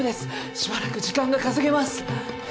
しばらく時間が稼げます。